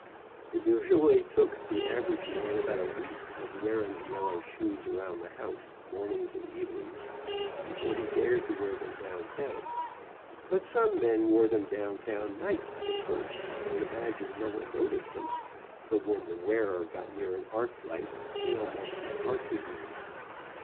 It usually took the average man about a week of wearing the yellow shoes around the house, mornings and evenings, before he dared to wear them downtown, but some men wore them downtown nights, at first, an3 imagined no one noticed them, though when the wearer got near an arc light he almost had heart disease.